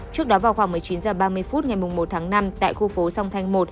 trước đó vào khoảng một mươi chín h ba mươi phút ngày một tháng năm tại khu phố song thanh một